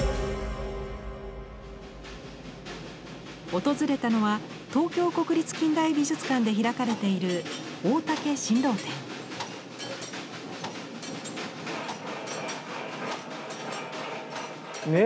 訪れたのは東京国立近代美術館で開かれているねえ！